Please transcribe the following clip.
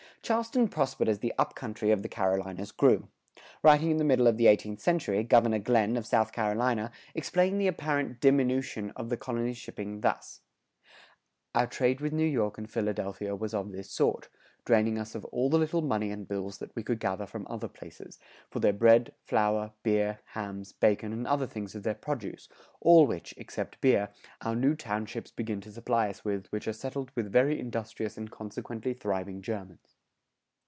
Charleston prospered as the up country of the Carolinas grew. Writing in the middle of the eighteenth century, Governor Glenn, of South Carolina, explained the apparent diminution of the colony's shipping thus:[108:2] Our trade with New York and Philadelphia was of this sort, draining us of all the little money and bills that we could gather from other places, for their bread, flour, beer, hams, bacon, and other things of their produce, all which, except beer, our new townships begin to supply us with which are settled with very industrious and consequently thriving Germans.